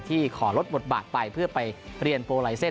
ขอลดบทบาทไปเพื่อไปเรียนโปรไลเซ็น